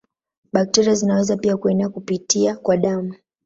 Bakteria zinaweza pia kuenea kupitia kwa damu.